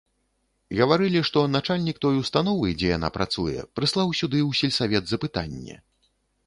Гаварылі, што начальнік той установы, дзе яна працуе, прыслаў сюды ў сельсавет запытанне.